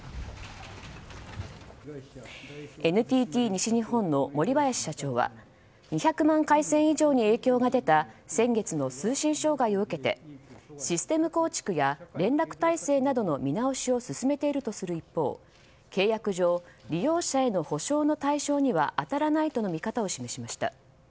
ＮＴＴ西日本の森林社長は２００万回線以上に影響が出た先月の通信障害を受けてシステム構築や連絡体制などの見直しを進めているとする一方契約上利用者への補償の対象には当たらないとの見方を示しました。